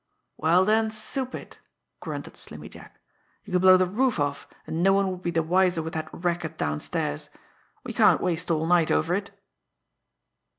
"Well, then, 'soup' it!" grunted Slimmy Jack. "You could blow the roof off, and no one would be the wiser with that racket downstairs. We can't waste all night over it."